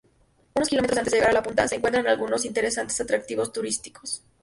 Unos kilómetros antes de llegar a la punta se encuentran algunos interesantes atractivos turísticos.